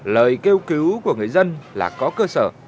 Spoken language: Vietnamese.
lời kêu cứu của người dân là có cơ sở